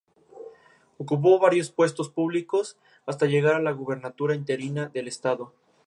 Se crio en Sudbury, Massachusetts, y asistió a la Escuela de St.